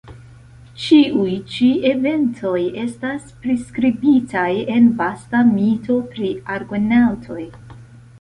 Ĉiuj ĉi eventoj estas priskribitaj en vasta mito pri Argonaŭtoj.